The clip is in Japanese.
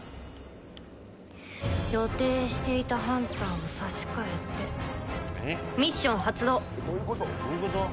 予定していたハンターを差し換えてミッション発動。